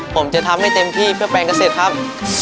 ผมจะทำให้เต็มที่เพื่อแปลงเกษตรครับ